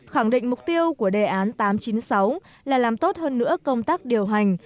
khẳng định mục tiêu của đề án tám trăm chín mươi sáu là làm tốt hơn nữa công tác điều hành